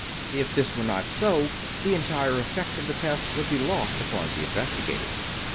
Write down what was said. If this were not so, the entire effect of the test would be lost upon the investigators.